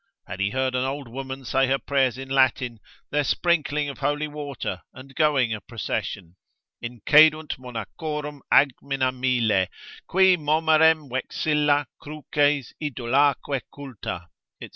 Had he heard an old woman say her prayers in Latin, their sprinkling of holy water, and going a procession, ———incedunt monachorum agmina mille; Quid momerem vexilla, cruces, idolaque culta, &c.